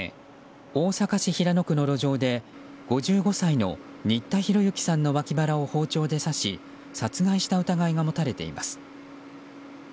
大阪市平野区の路上で５５歳の新田浩之さんのわき腹を包丁で刺し殺害した疑いが持たれています。